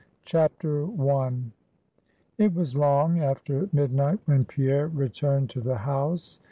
I. It was long after midnight when Pierre returned to the house.